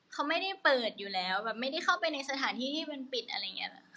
เขาไม่ได้เปิดอยู่แล้วแบบไม่ได้เข้าไปในสถานที่ที่มันปิดอะไรอย่างนี้